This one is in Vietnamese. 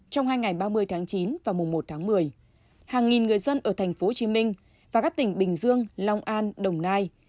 trong hai ngày ba mươi tháng chín và mùa một tháng một mươi hàng nghìn người dân ở thành phố hồ chí minh và các tỉnh bình dương lòng an đồng nai